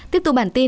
tiếp tục bản tin là